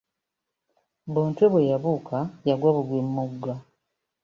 Bontwe bwe yabuuka yagwa bugwi mu mugga.